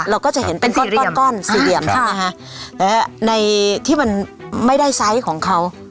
เราก็จะเห็นเป็นก้อนก้อนสี่เหลี่ยมใช่ไหมคะและในที่มันไม่ได้ไซส์ของเขา